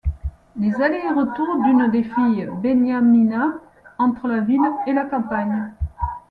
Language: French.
Les allers et retours d'une des filles, Beniamina, entre la ville et la campagne.